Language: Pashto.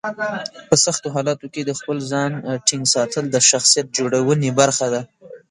په سختو حالاتو کې د خپل ځان ټینګ ساتل د شخصیت جوړونې برخه ده.